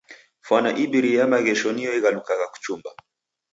Fwana ibirie ya maghesho niyo ighalukagha kuchumba.